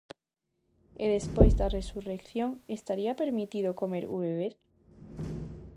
E despois da resurrección, estaría permitido comer ou beber?